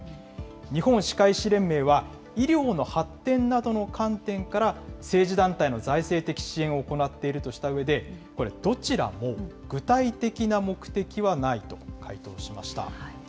日本歯科医師連盟は医療の発展などの観点から政治団体の財政的支援を行っているとしたうえで、これどちらも具体的な目的はないと回答しました。